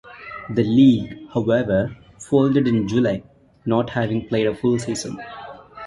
The league, however, folded in July, not having played a full season.